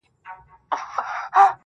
كه د زړه غوټه درته خلاصــه كــړمــــــه.